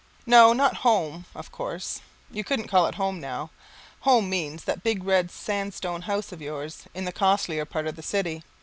No, not "home," of course you couldn't call it "home" now; "home" means that big red sandstone house of yours in the costlier part of the city.